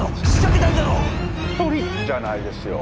トリックじゃないですよ。